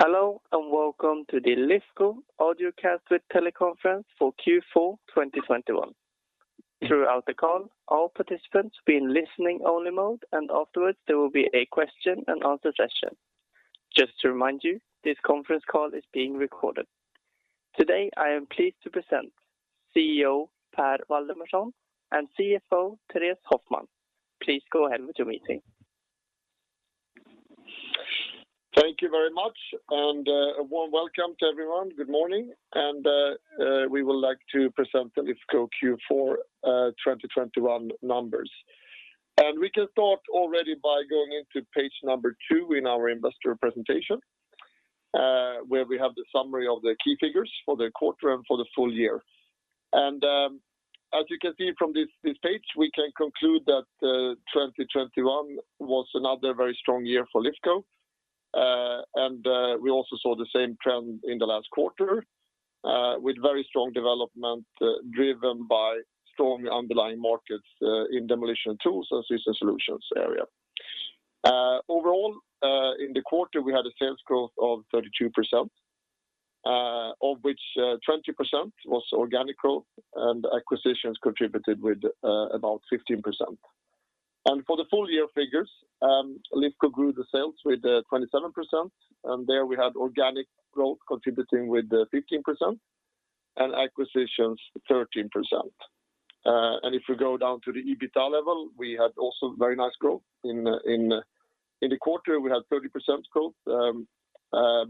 Hello, and welcome to the Lifco audiocast with teleconference for Q4 2021. Throughout the call, all participants will be in listening only mode, and afterwards there will be a question and answer session. Just to remind you, this Conference Call is being recorded. Today, I am pleased to present CEO Per Waldemarson and CFO Therése Hoffman. Please go ahead with your meeting. Thank you very much and a warm welcome to everyone. Good morning. We would like to present the Lifco Q4 2021 numbers. We can start already by going into page 2 in our investor presentation, where we have the summary of the key figures for the quarter and for the full-year. As you can see from this page, we can conclude that 2021 was another very strong year for Lifco. We also saw the same trend in the last quarter with very strong development driven by strong underlying markets in Demolition & Tools and Systems Solutions area. Overall, in the quarter, we had a sales growth of 32%, of which 20% was organic growth and acquisitions contributed with about 15%. For the full-year figures, Lifco grew the sales with 27%, and there we had organic growth contributing with 15% and acquisitions 13%. If you go down to the EBITA level, we had also very nice growth. In the quarter, we had 30% growth,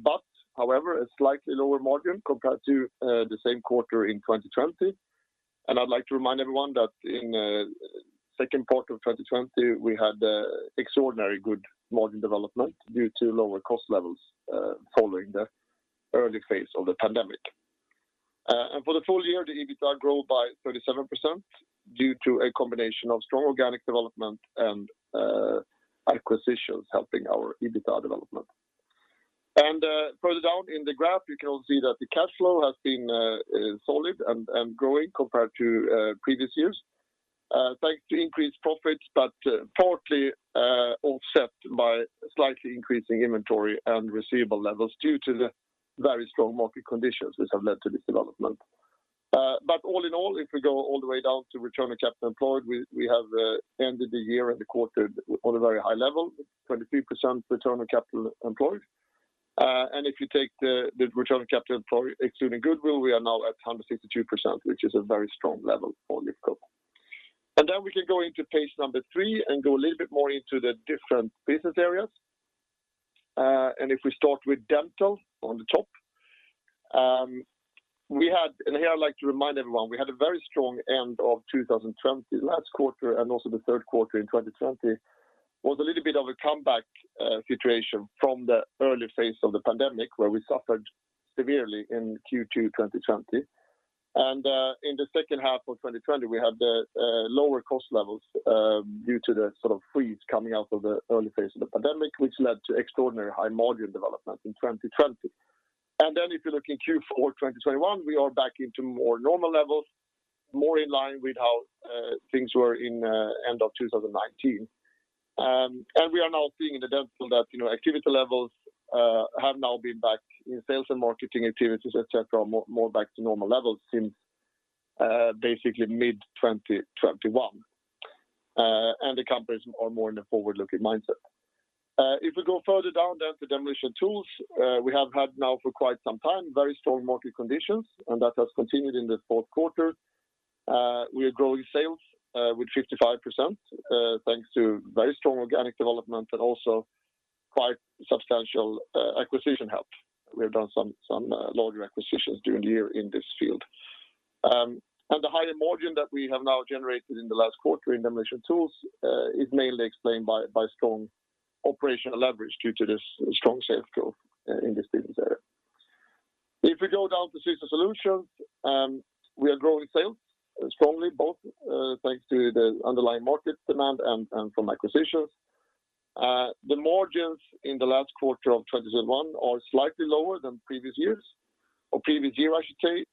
but however, a slightly lower-margin compared to the same quarter in 2020. I'd like to remind everyone that in Q2 of 2020, we had extraordinary good margin development due to lower-cost levels following the early phase of the pandemic. For the full-year, the EBITA grew by 37% due to a combination of strong organic development and acquisitions helping our EBITA development. Further down in the graph, you can all see that the cash flow has been solid and growing compared to previous years, thanks to increased profits, but partly offset by slightly increasing inventory and receivable levels due to the very strong market conditions which have led to this development. All in all, if we go all the way down to return on capital employed, we have ended the year and the quarter on a very high level, 23% return on capital employed. If you take the return on capital employed excluding goodwill, we are now at 162%, which is a very strong level for Lifco. We can go into page number three and go a little bit more into the different business areas. If we start with Dental on the top, here I'd like to remind everyone, we had a very strong end of 2020. Last quarter and also the Q3 in 2020 was a little bit of a comeback situation from the early phase of the pandemic, where we suffered severely in Q2 2020. In the second half of 2020, we had the lower cost levels due to the sort of freeze coming out of the early phase of the pandemic, which led to extraordinary high-margin development in 2020. If you look in Q4 2021, we are back into more normal levels, more in line with how things were in end of 2019. We are now seeing in the Dental that, you know, activity levels have now been back in sales and marketing activities, et cetera, more back to normal levels since basically mid-2021. The companies are more in a forward-looking mindset. If we go further down then to Demolition & Tools, we have had now for quite some time very strong market conditions, and that has continued in the Q4. We are growing sales with 55%, thanks to very strong organic development and also quite substantial acquisition help. We have done some larger acquisitions during the year in this field. The higher-margin that we have now generated in the last quarter in Demolition & Tools is mainly explained by strong operational leverage due to this strong sales growth in this business area. If we go down to Systems Solutions, we are growing sales strongly, both thanks to the underlying market demand and from acquisitions. The margins in the last quarter of 2021 are slightly lower than previous years or previous year, I should say.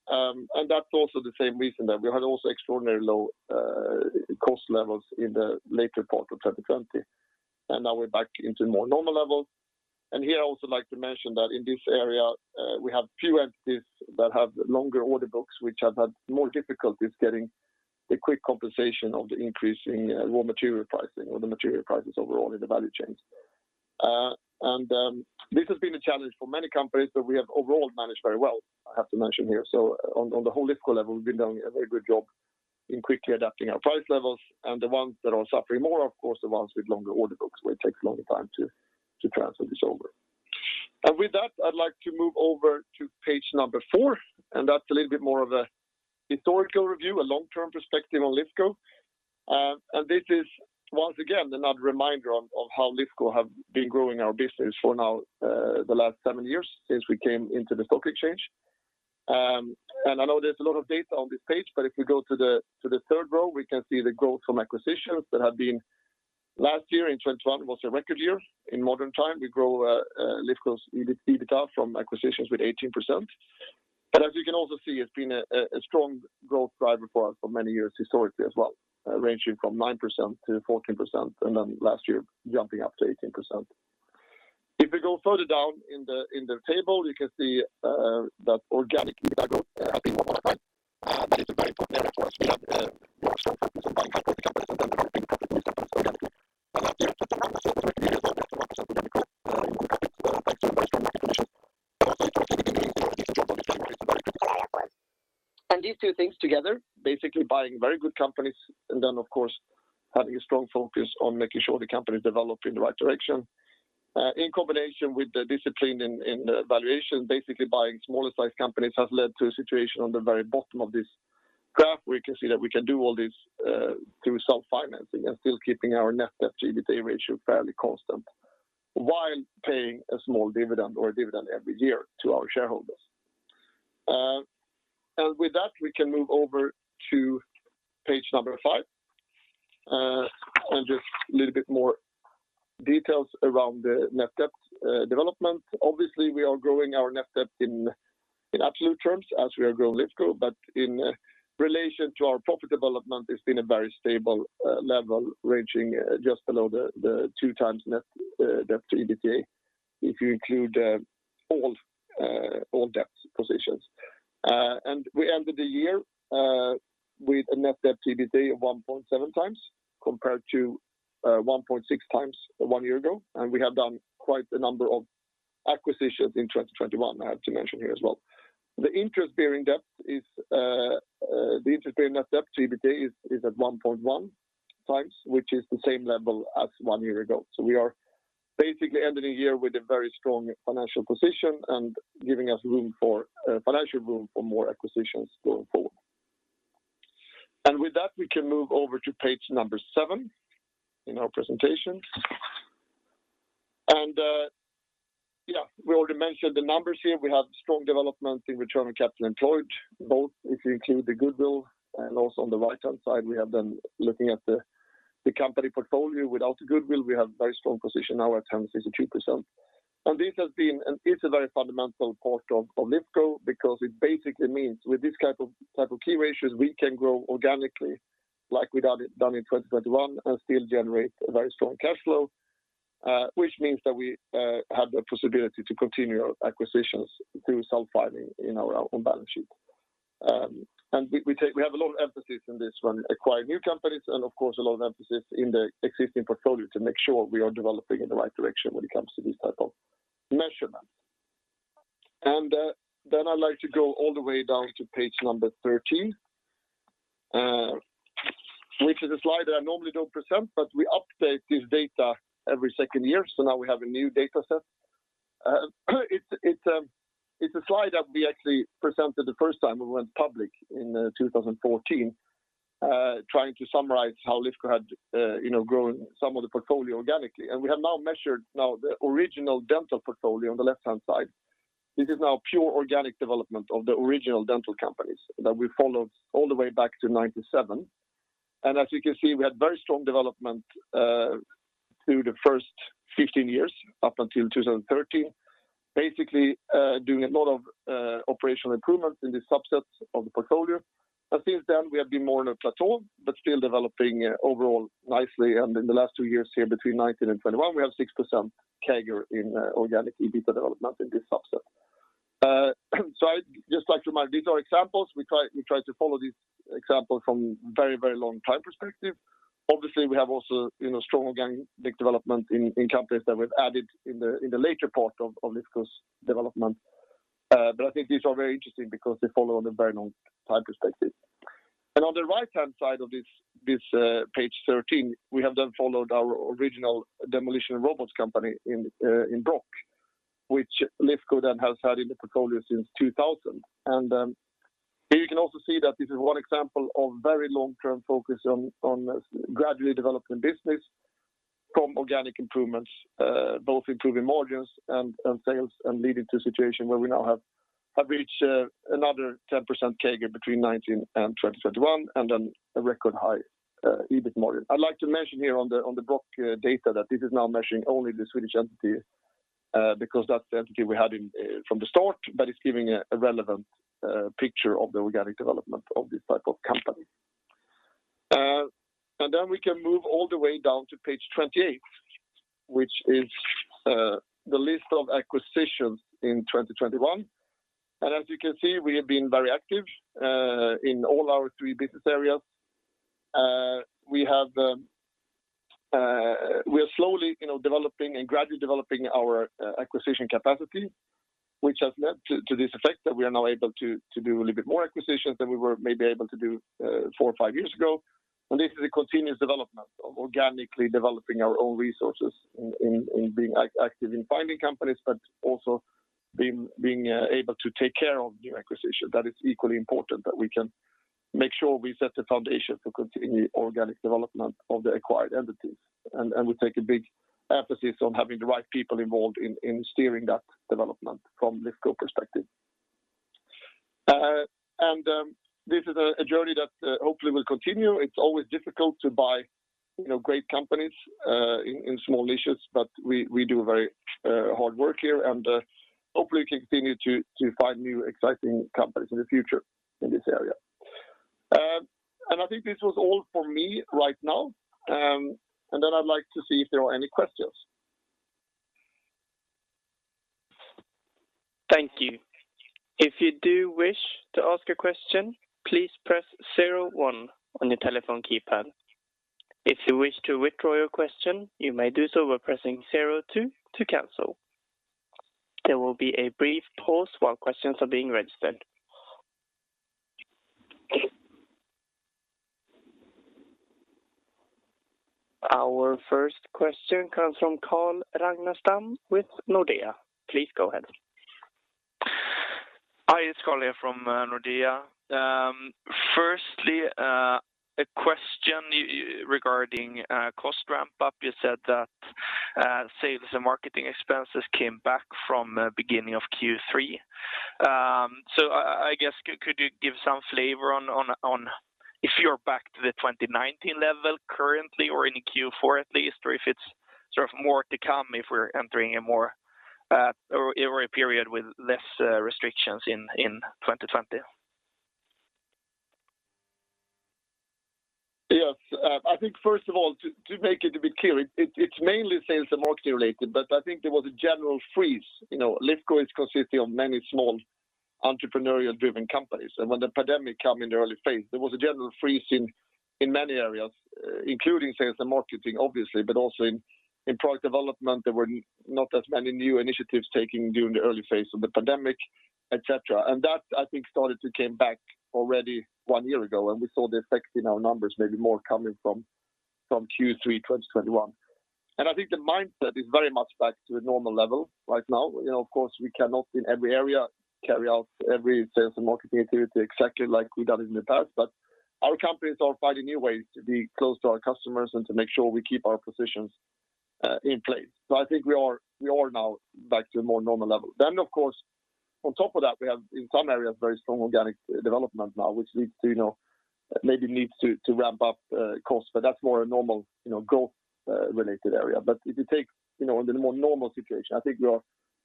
That's also the same reason that we had also extraordinary low cost levels in the later part of 2020. Now we're back into more normal levels. Here I'd also like to mention that in this area, we have few entities that have longer order books, which have had more difficulties getting a quick compensation of the increase in raw material pricing or the material prices overall in the value chains. This has been a challenge for many companies that we have overall managed very well, I have to mention here. On the whole Lifco level, we've been doing a very good job in quickly adapting our price levels. The ones that are suffering more are of course the ones with longer order books, where it takes longer time to transfer this over. With that, I'd like to move over to page number four, and that's a little bit more of a historical review, a long-term perspective on Lifco. This is once again another reminder on how Lifco have been growing our business for now the last seven years since we came into the stock exchange. I know there's a lot of data on this page, but if we go to the third row, we can see the growth from acquisitions that have been last year in 2021 was a record year in modern time. We grow Lifco's EBITA from acquisitions with 18%. You can also see it's been a strong growth driver for us for many years historically as well, ranging from 9%-14%, and then last year jumping up to 18%. If you go further down in the table, you can see that organic EBITDA growth has been 1.5%. That is a very important area for us. We have stronger focus on buying high-quality companies and then developing companies ourselves organically. Last year, 2021 versus 2020, we had over 1% organic growth. We're happy thanks to very strong market conditions, but also through a significant job on the training, which is a very critical area for us. These two things together, basically buying very good companies and then of course, having a strong focus on making sure the company is developed in the right direction, in combination with the discipline in the valuation, basically buying smaller sized companies has led to a situation on the very bottom of this graph where you can see that we can do all this, through self-financing and still keeping our net debt EBITDA ratio fairly constant while paying a small dividend or a dividend every year to our shareholders. With that, we can move over to page number 5. Just a little bit more details around the net debt development. Obviously, we are growing our net debt in absolute terms as we are growing Lifco, but in relation to our profit development, it's been a very stable level ranging just below the 2 times net debt to EBITDA if you include all debt positions. We ended the year with a net debt to EBITDA of 1.7 times compared to 1.6 times one year ago. We have done quite a number of acquisitions in 2021, I have to mention here as well. The interest bearing net debt to EBITDA is at 1.1 times, which is the same level as one year ago. We are basically ending a year with a very strong financial position and giving us room for financial room for more acquisitions going forward. With that, we can move over to page 7 in our presentation. We already mentioned the numbers here. We have strong developments in return on capital employed, both if you include the goodwill and also on the right-hand side, we have been looking at the company portfolio. Without the goodwill, we have very strong position now at 162%. This has been and is a very fundamental part of Lifco because it basically means with this type of key ratios, we can grow organically like we done in 2021 and still generate a very strong cash flow, which means that we have the possibility to continue our acquisitions through self-funding in our own balance sheet. We have a lot of emphasis on this one, acquire new companies and of course a lot of emphasis in the existing portfolio to make sure we are developing in the right direction when it comes to this type of measurement. I'd like to go all the way down to page number 13, which is a slide that I normally don't present, but we update this data every second year, so now we have a new data set. It's a slide that we actually presented the first time we went public in 2014, trying to summarize how Lifco had, you know, grown some of the portfolio organically. We have now measured the original Dental portfolio on the left-hand side. This is now pure organic development of the original Dental companies that we followed all the way back to 97. As you can see, we had very strong development through the first 15 years up until 2013, basically doing a lot of operational improvements in this subset of the portfolio. Since then, we have been more on a plateau, but still developing overall nicely. In the last 2 years here between 2019 and 2021, we have 6% CAGR in organic EBITDA development in this subset. So I'd just like to remind these are examples. We try to follow these examples from a very long time perspective. Obviously, we have also, you know, strong organic development in companies that we've added in the later part of Lifco's development. I think these are very interesting because they follow from a very long time perspective. On the right-hand side of this page 13, we have then followed our original demolition robots company in Brokk, which Lifco then has had in the portfolio since 2000. Here you can also see that this is one example of very long-term focus on gradually developing business from organic improvements, both improving margins and sales and leading to a situation where we now have reached another 10% CAGR between 2019 and 2021 and then a record high EBIT margin. I'd like to mention here on the Brokk data that this is now measuring only the Swedish entity, because that's the entity we had in from the start, but it's giving a relevant picture of the organic development of this type of company. We can move all the way down to page 28, which is the list of acquisitions in 2021. As you can see, we have been very active in all our three business areas. We are slowly, you know, developing and gradually developing our acquisition capacity, which has led to this effect that we are now able to do a little bit more acquisitions than we were maybe able to do four or five years ago. This is a continuous development of organically developing our own resources in being active in finding companies, but also being able to take care of new acquisitions. That is equally important that we can make sure we set the foundation for continued organic development of the acquired entities. We take a big emphasis on having the right people involved in steering that development from Lifco perspective. This is a journey that hopefully will continue. It's always difficult to buy. You know, great companies in small niches, but we do very hard work here and hopefully continue to find new exciting companies in the future in this area. I think this was all for me right now. Then I'd like to see if there are any questions. Our first question comes from Carl Ragnerstam with Nordea. Please go ahead. Hi, it's Carl here from Nordea. Firstly, a question regarding cost ramp up. You said that sales and marketing expenses came back from beginning of Q3. So I guess could you give some flavor on if you're back to the 2019 level currently or in Q4 at least, or if it's sort of more to come if we're entering a more or a period with less restrictions in 2020? Yes. I think first of all, to make it a bit clear, it's mainly sales and marketing-related, but I think there was a general freeze. You know, Lifco is consisting of many small entrepreneurial driven companies. When the pandemic came in the early phase, there was a general freeze in many areas, including sales and marketing obviously, but also in product development there were not as many new initiatives taken during the early phase of the pandemic, et cetera. That I think started to come back already one year ago. We saw the effect in our numbers maybe more coming from Q3 2021. I think the mindset is very much back to a normal level right now. You know, of course, we cannot in every area carry out every sales and marketing activity exactly like we done it in the past. Our companies are finding new ways to be close to our customers and to make sure we keep our positions in place. I think we are now back to a more normal level. Of course, on top of that, we have in some areas very strong organic development now, which leads to, you know, maybe needs to to ramp up costs. That's more a normal, you know, growth-related area. If you take, you know, the more normal situation, I think we are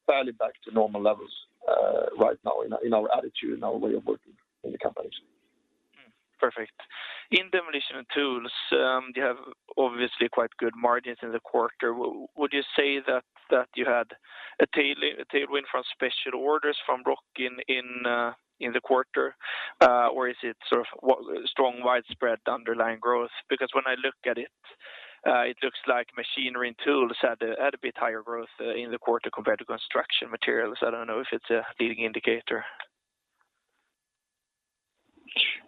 fairly back to normal levels right now in our attitude and our way of working in the companies. Perfect. In demolition tools, you have obviously quite good margins in the quarter. Would you say that you had a tailwind from special orders from Brokk in the quarter? Or is it sort of strong widespread underlying growth? Because when I look at it looks like machinery and tools had a bit higher growth in the quarter compared to construction materials. I don't know if it's a leading indicator.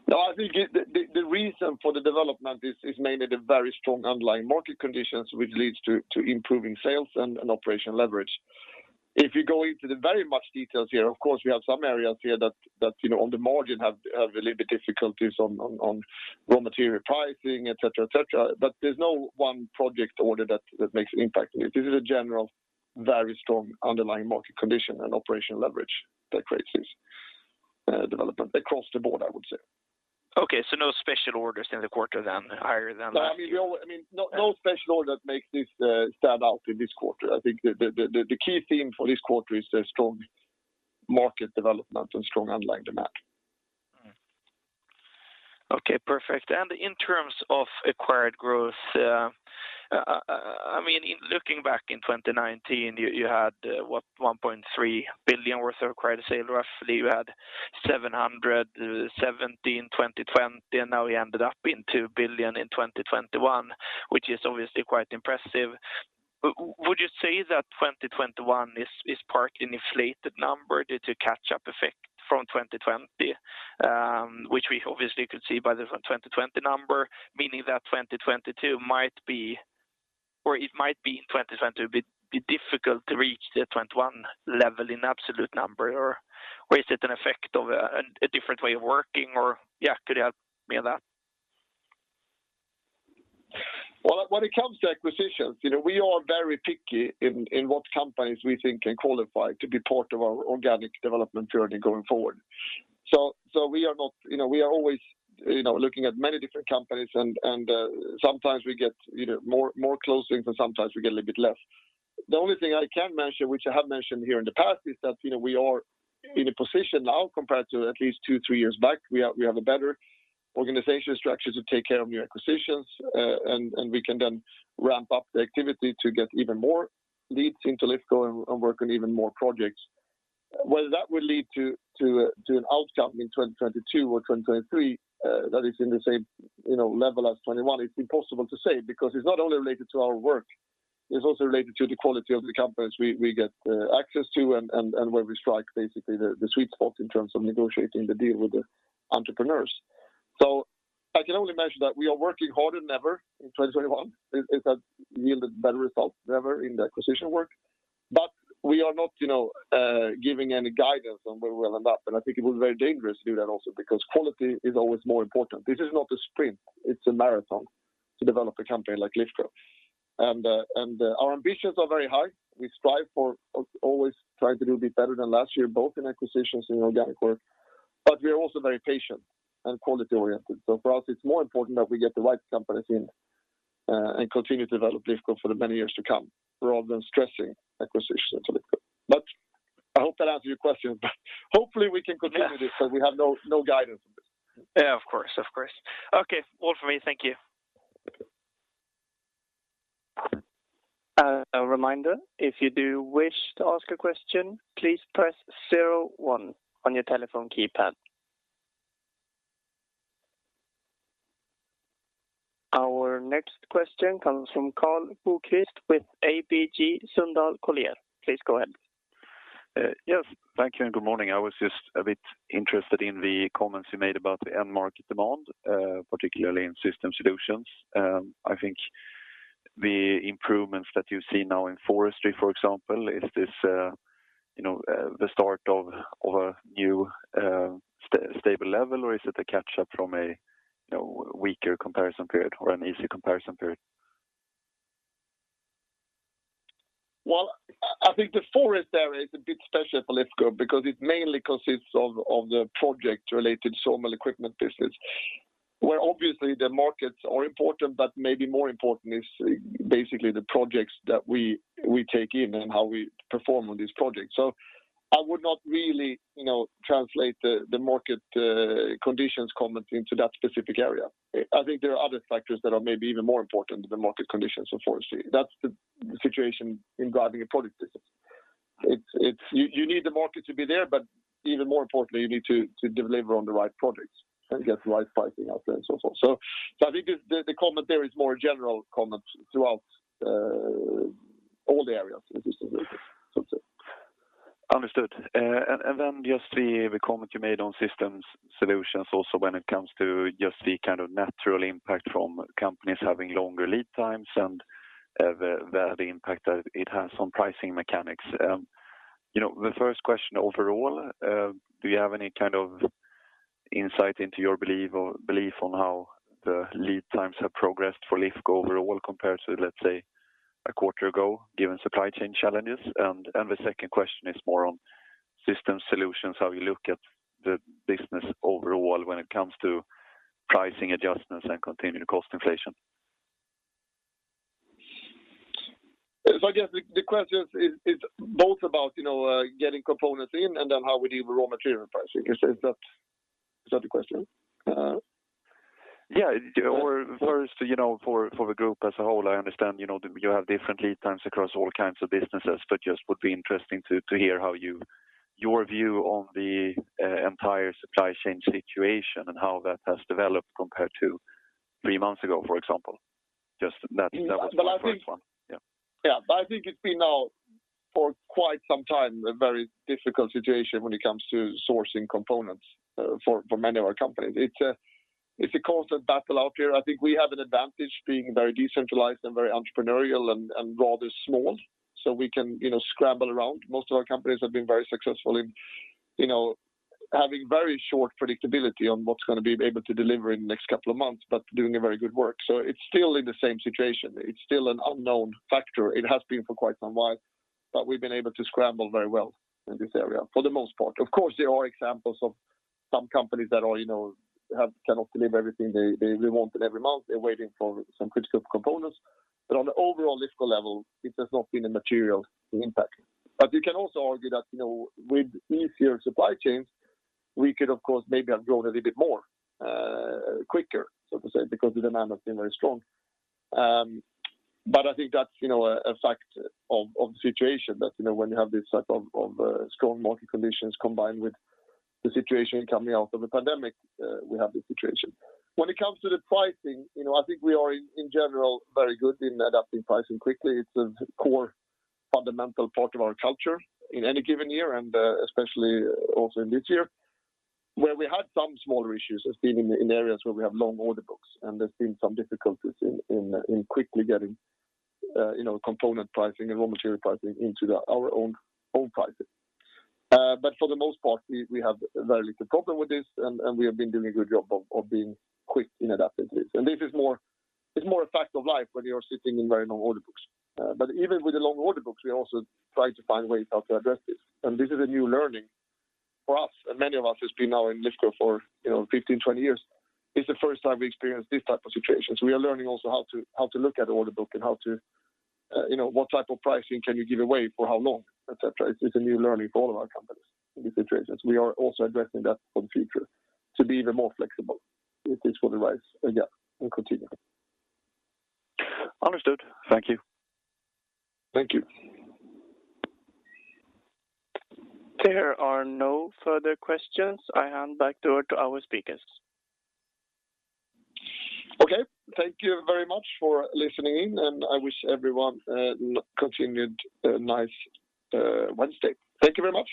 No. I think the reason for the development is mainly the very strong underlying market conditions which leads to improving sales and operational leverage. If you go into the very many details here, of course we have some areas here that you know on the margin have a little bit difficulties on raw material pricing, et cetera. There's no one project order that makes an impact. This is a general very strong underlying market condition and operational leverage that creates this development across the board, I would say. Okay. No special orders in the quarter then higher than last year? I mean, no special orders make this stand out in this quarter. I think the key theme for this quarter is the strong market development and strong underlying demand. Okay. Perfect. In terms of acquired growth, I mean, in looking back in 2019, you had what, 1.3 billion worth of acquired sales. Roughly you had 717 million in 2020, and now we ended up in 2 billion in 2021, which is obviously quite impressive. Would you say that 2021 is part an inflated number due to catch up effect from 2020, which we obviously could see by the 2020 number, meaning that 2022 might be difficult to reach the 2021 level in absolute number or is it an effect of a different way of working? Or yeah, could you help me on that? Well, when it comes to acquisitions, you know, we are very picky in what companies we think can qualify to be part of our organic development journey going forward. We are always, you know, looking at many different companies and sometimes we get, you know, more closings and sometimes we get a little bit less. The only thing I can mention, which I have mentioned here in the past, is that, you know, we are in a position now compared to at least two, three years back. We have a better organizational structure to take care of new acquisitions and we can then ramp up the activity to get even more leads into Lifco and work on even more projects. Whether that will lead to an outcome in 2022 or 2023, that is in the same, you know, level as 2021, it's impossible to say because it's not only related to our work, it's also related to the quality of the companies we get access to and where we strike basically the sweet spot in terms of negotiating the deal with the entrepreneurs. I can only mention that we are working harder than ever in 2021. It has yielded better results than ever in the acquisition work. We are not, you know, giving any guidance on where we'll end up. I think it would be very dangerous to do that also, because quality is always more important. This is not a sprint, it's a marathon to develop a company like Lifco. Our ambitions are very high. We strive for always try to do a bit better than last year, both in acquisitions and organic work. We are also very patient and quality-oriented. For us, it's more important that we get the right companies in and continue to develop Lifco for the many years to come rather than stressing acquisitions for Lifco. I hope that answers your question, but hopefully we can continue this because we have no guidance on this. Yeah, of course. Of course. Okay. All from me. Thank you. A reminder, if you do wish to ask a question, please press zero one on your telephone keypad. Our next question comes from Karl Bokvist with ABG Sundal Collier. Please go ahead. Yes. Thank you, and good morning. I was just a bit interested in the comments you made about the end market demand, particularly in Systems Solutions. I think the improvements that you see now in forestry, for example, is this, you know, the start of a new stable level, or is it a catch-up from a, you know, weaker comparison period or an easy comparison period? Well, I think the forest area is a bit special for Lifco because it mainly consists of the project-related thermal equipment business, where obviously the markets are important, but maybe more important is basically the projects that we take in and how we perform on these projects. I would not really, you know, translate the market conditions comment into that specific area. I think there are other factors that are maybe even more important than market conditions for forestry. That's the situation regarding a product business. You need the market to be there, but even more importantly, you need to deliver on the right projects and get the right pricing out there and so forth. I think the comment there is more a general comment throughout all the areas of Systems Solutions, so to say. Understood. And then just the comment you made on Systems Solutions also when it comes to just the kind of natural impact from companies having longer lead times and the impact that it has on pricing mechanics. You know, the first question overall, do you have any kind of insight into your belief on how the lead times have progressed for Lifco overall compared to, let's say, a quarter ago, given supply chain challenges? The second question is more on Systems Solutions, how you look at the business overall when it comes to pricing adjustments and continued cost inflation. I guess the question is both about, you know, getting components in and then how we deal with raw material pricing. Is that the question? Yeah. First, you know, for the group as a whole, I understand, you know, you have different lead times across all kinds of businesses, but just would be interesting to hear how your view on the entire supply chain situation and how that has developed compared to three months ago, for example. Just that was my first one. Yeah. Yeah. I think it's been now for quite some time a very difficult situation when it comes to sourcing components for many of our companies. It's a constant battle out there. I think we have an advantage being very decentralized and very entrepreneurial and rather small, so we can, you know, scramble around. Most of our companies have been very successful in, you know, having very short predictability on what's gonna be able to deliver in the next couple of months, but doing a very good work. It's still in the same situation. It's still an unknown factor. It has been for quite some while, but we've been able to scramble very well in this area for the most part. Of course, there are examples of some companies that are, you know, cannot deliver everything they wanted every month. They're waiting for some critical components. On the overall Lifco level, it has not been a material impact. You can also argue that, you know, with easier supply chains, we could of course maybe have grown a little bit more, quicker, so to say, because the demand has been very strong. I think that's, you know, a fact of the situation that, you know, when you have this type of strong market conditions combined with the situation coming out of the pandemic, we have this situation. When it comes to the pricing, you know, I think we are in general very good in adapting pricing quickly. It's a core fundamental part of our culture in any given year and, especially also in this year, where we had some smaller issues, as has been in areas where we have long order books, and there's been some difficulties in quickly getting, you know, component pricing and raw material pricing into our own pricing. But for the most part, we have very little problem with this and we have been doing a good job of being quick in adapting to this. It's more a fact of life when you're sitting in very long order books. But even with the long order books, we also try to find ways how to address this. This is a new learning for us, and many of us who's been now in Lifco for, you know, 15, 20 years. It's the first time we experienced this type of situation, so we are learning also how to look at the order book and you know what type of pricing can you give away for how long, etc. It's a new learning for all of our companies in this situation. We are also addressing that for the future to be even more flexible if this would arise again and continue. Understood. Thank you. Thank you. There are no further questions. I hand back over to our speakers. Okay. Thank you very much for listening in, and I wish everyone continued nice Wednesday. Thank you very much.